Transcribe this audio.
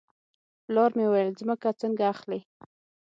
پلار مې وویل ځمکه څنګه اخلې.